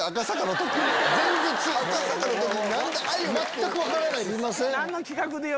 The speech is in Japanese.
全く分からないです。